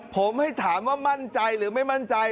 ผมให้ถามว่ามั่นใจหรือไม่มั่นใจ